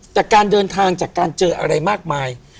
แต่การเดินทางจากการเจออะไรมากมาย